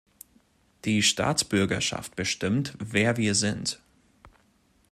Die Staatsbürgerschaft bestimmt, wer wir sind.